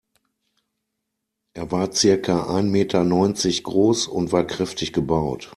Er war circa ein Meter neunzig groß und war kräftig gebaut.